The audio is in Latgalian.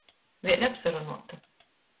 Vēļ apsarunuotu.